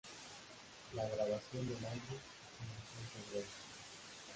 La grabación del álbum comenzó en febrero.